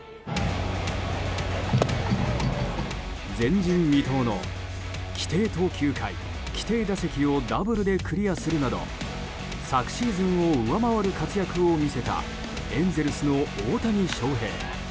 前人未到の規定投球回規定打席をダブルでクリアするなど昨シーズンを上回る活躍を見せたエンゼルスの大谷翔平。